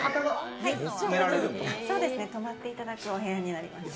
泊まっていただくお部屋になります。